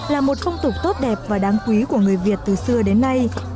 là một phong tục tốt đẹp và đáng quý của người việt từ xưa đến nay